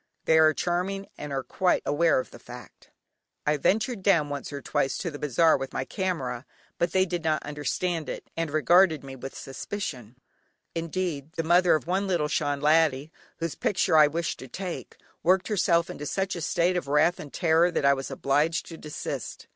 They are charming, and are quite aware of the fact. I ventured down once or twice to the bazaar with my camera, but they did not understand it, and regarded me with suspicion; indeed, the mother of one little Shan laddie, whose picture I wished to take, worked herself up into such a state of wrath and terror that I was obliged to desist.